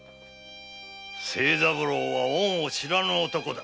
清三郎は恩を知らぬ男だ。